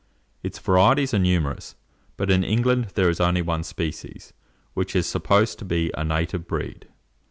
Its varieties are numerous; but in England there is only one species, which is supposed to be a native breed.